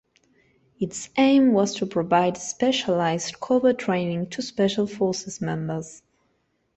Its aim was to provide specialised covert training to Special Forces members.